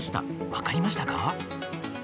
分かりましたか？